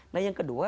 nah yang kedua